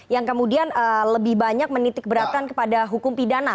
yang kemudian lebih banyak menitik beratkan kepada hukum pidana